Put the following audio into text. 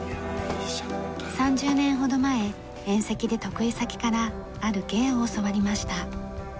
３０年ほど前宴席で得意先からある芸を教わりました。